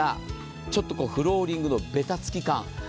ちょっとフローリングのべたつき感。